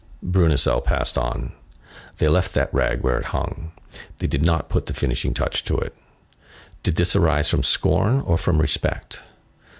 Bruneseau passed on. They left that rag where it hung; they did not put the finishing touch to it. Did this arise from scorn or from respect?